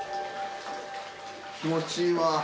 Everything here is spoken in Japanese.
気持ちいいわ。